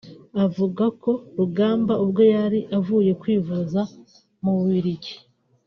avuga ko Rugamba ubwo yari avuye kwivuza mu Bubiligi